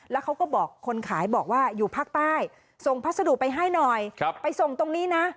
แล้วเขาก็บอกคนขายบอกว่าอยู่ภาคใต้ส่งพัสดุไปให้หน่อยไปส่งตรงนี้นะ